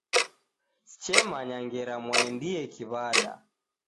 Sechemanya ngera mwaendiye kiw'ada